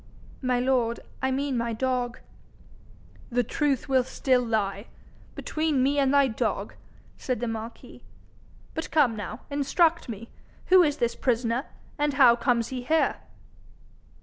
'My lord, I mean my dog.' 'The truth will still lie between me and thy dog,' said the marquis. 'But come now, instruct me. Who is this prisoner, and how comes he here?'